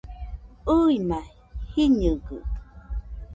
ɨima jiñɨgɨ